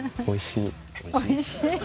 おいしい！？